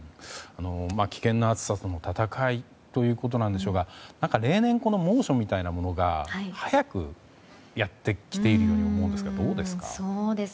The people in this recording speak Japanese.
危険な暑さとの戦いということなんでしょうが何か例年、猛暑みたいなものが早くやってきているようにも思うんですが、どうですか。